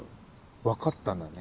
分かったんだね。